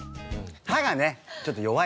歯がねちょっと弱い。